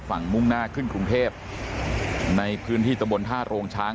มุ่งหน้าขึ้นกรุงเทพในพื้นที่ตะบนท่าโรงช้าง